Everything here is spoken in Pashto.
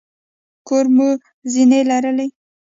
کور مو زینې لري؟